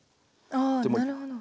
あなるほど。